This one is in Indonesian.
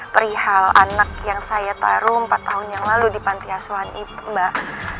perihal anak yang saya taruh empat tahun yang lalu di panti asuhan ip mbak